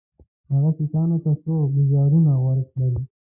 هغه سیکهانو ته څو ګوزارونه ورکړل.